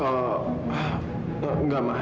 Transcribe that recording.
oh enggak ma